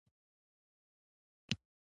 زاړه پيشو هېڅکله نڅا نه شي زده کولای.